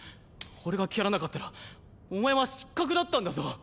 俺が蹴らなかったらお前は失格だったんだぞ？